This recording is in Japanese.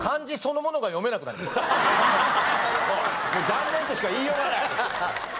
もう残念としか言いようがない。